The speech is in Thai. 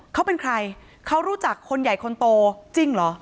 เขาเป็นใครเขารู้จักคนใหญ่คนโตจริงเหรอ